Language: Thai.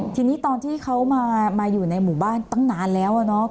ทีนี้ตอนที่เขามาอยู่ในหมู่บ้านตั้งนานแล้ว